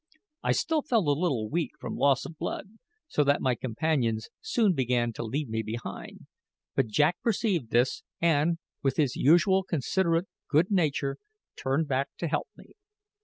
I still felt a little weak from loss of blood, so that my companions soon began to leave me behind; but Jack perceived this, and, with his usual considerate good nature, turned back to help me.